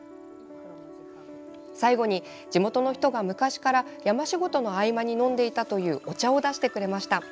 最後に、地元の人が昔から山仕事の合間に飲んでいたというお茶を出してくれました。